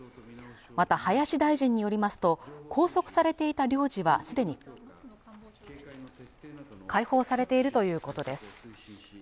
また林大臣によりますと拘束されていた領事はすでに解放されているということです